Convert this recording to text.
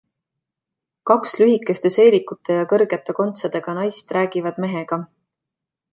Kaks lühikeste seelikute ja kõrgete kontsadega naist räägivad mehega.